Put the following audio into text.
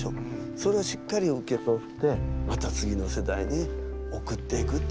それをしっかり受け取ってまた次の世代におくっていくっていうのはね